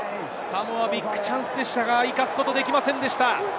サモア、ビッグチャンスでしたが、生かすことはできませんでした。